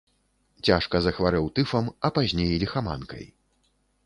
Цяжка захварэў тыфам, а пазней ліхаманкай.